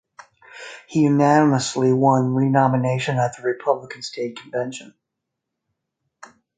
He unanimously won renomination at the Republican state convention.